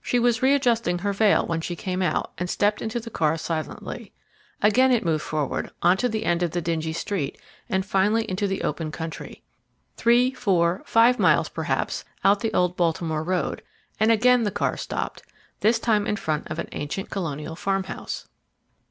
She was readjusting her veil when she came out and stepped into the car silently. Again it moved forward, on to the end of the dingy street, and finally into the open country. Three, four, five miles, perhaps, out the old Baltimore Road, and again the car stopped, this time in front of an ancient colonial farm house.